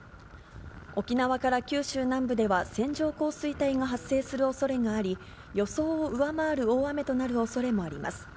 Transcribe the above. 沖縄から九州南部では線状降水帯が発生するおそれがあり、予想を上回る大雨となるおそれもあります。